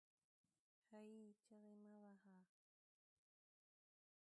هې ! چیغې مه واهه